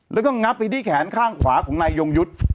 แล้วก็งับไปที่แขนข้างขวาของนายยงยุทธ์